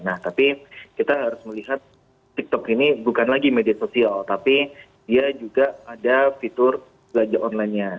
nah tapi kita harus melihat tiktok ini bukan lagi media sosial tapi dia juga ada fitur belanja online nya